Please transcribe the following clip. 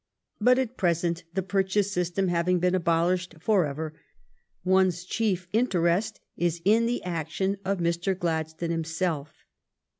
But, at present, the purchase system hav ing been abolished forever, one's chief interest is in the action of Mr. Gladstone himself.